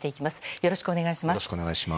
よろしくお願いします。